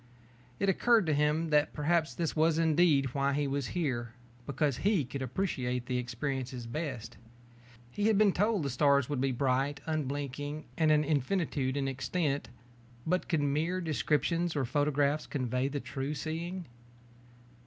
It occurred to him that perhaps this was indeed why he was here, because he could appreciate such experiences best. He had been told the stars would be bright, unblinking, and an infinitude in extent, but could mere descriptions or photographs convey the true seeing?